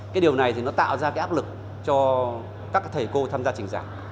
cái điều này thì nó tạo ra cái áp lực cho các thầy cô tham gia trình giảng